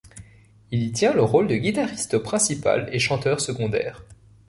Il y tient le rôle de guitariste principal et chanteur secondaire.